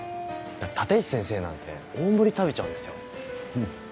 立石先生なんて大盛り食べちゃうんですよ。